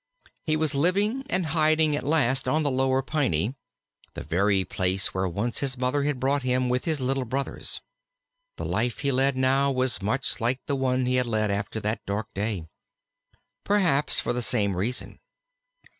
He was living and hiding at last on the Lower Piney the very place where once his Mother had brought him with his little brothers. The life he led now was much like the one he had led after that dark day. Perhaps for the same reason.